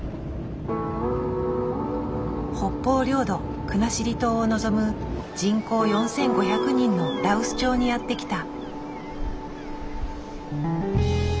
北方領土国後島を望む人口４，５００人の羅臼町にやって来た。